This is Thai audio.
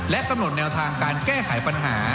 กำหนดแนวทางการแก้ไขปัญหา